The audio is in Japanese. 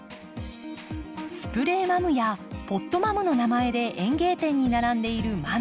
スプレーマムやポットマムの名前で園芸店に並んでいるマム。